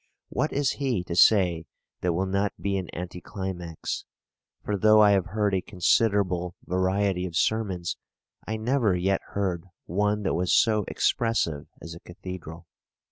What is he to say that will not be an anti climax? For though I have heard a considerable variety of sermons, I never yet heard one that was so expressive as a cathedral.